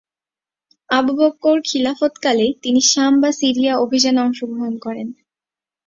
আবু বকর খিলাফতকালে তিনি শাম বা সিরিয়া অভিযানে অংশগ্রহণ করেন।